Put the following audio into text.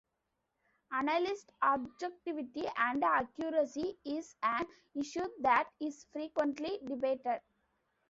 Analyst objectivity and accuracy is an issue that is frequently debated.